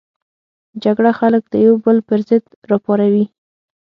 جګړه خلک یو د بل پر ضد راپاروي